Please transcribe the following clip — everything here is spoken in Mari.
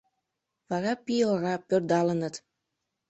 Вара «пий ора» пӧрдалыныт.